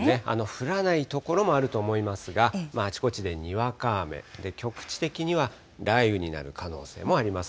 降らない所もあると思いますが、あちこちでにわか雨、局地的には雷雨になる可能性もあります。